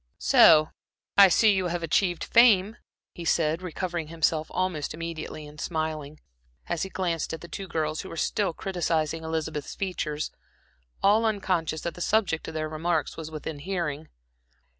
"So I see you have achieved fame," he said, recovering himself almost immediately and smiling, as he glanced at the two girls who were still criticizing Elizabeth's features, all unconscious that the subject of their remarks was within hearing.